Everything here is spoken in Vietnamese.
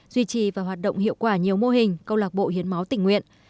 duy trì và hoạt động hiệu quả nhiều mô hình câu lạc bộ hiến máu tỉnh nguyện